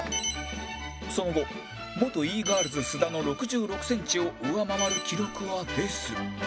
その後元 Ｅ−ｇｉｒｌｓ 須田の６６センチを上回る記録は出ず